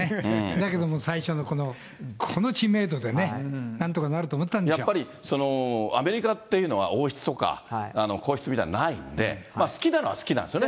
だけども最初のこの知名度でね、やっぱり、アメリカっていうのは王室とか皇室みたいのないんで、好きなのは好きなんですよね。